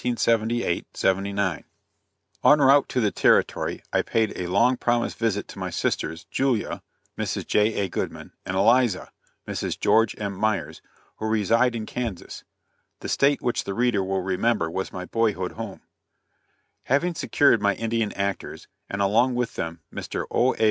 En route to the Territory, I paid a long promised visit to my sisters, Julia Mrs. J.A. Goodman and Eliza Mrs. George M. Myers who reside in Kansas, the state which the reader will remember was my boyhood home. Having secured my Indian actors, and along with them Mr. O. A.